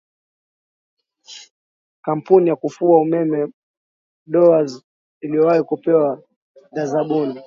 kampuni ya kufua umeme dowarz iliowahi kupewa dha zabuni